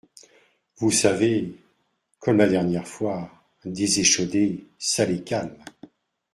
Vous savez… comme la dernière fois… des échaudés, ça les calme.